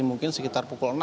mungkin sekitar pukul enam